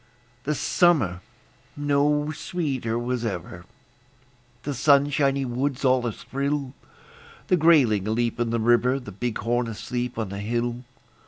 The summer no sweeter was ever; The sunshiny woods all athrill; The grayling aleap in the river, The bighorn asleep on the hill.